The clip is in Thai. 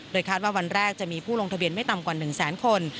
คาดว่าวันแรกจะมีผู้ลงทะเบียนไม่ต่ำกว่า๑แสนคน